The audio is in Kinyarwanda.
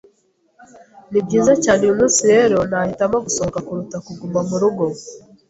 Nibyiza cyane uyumunsi rero nahitamo gusohoka kuruta kuguma murugo.